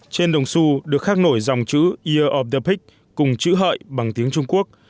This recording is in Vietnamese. trên đồng su được khắc nổi dòng chữ year of the pig cùng chữ hợi bằng tiếng trung quốc